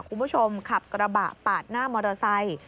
คุณผู้ชมขับกระบะปาดหน้ามอเตอร์ไซต์